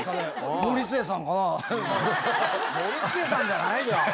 森末さんじゃないよ。